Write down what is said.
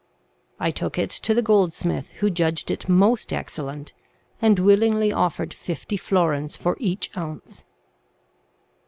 I took it to the goldsmith, who judged it most excellent, and willingly offered fifty florins for each ounce."